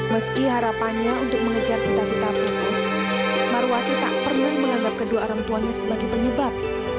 meski harapannya untuk mengejar cita cita putus marwati tak pernah menganggap kedua orang tuanya sebagai penyebab